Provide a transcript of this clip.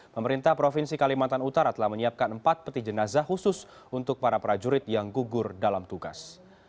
pemerintah provinsi kalimantan utara telah menyiapkan empat peti jenazah khusus untuk para prajurit yang gugur dalam tugas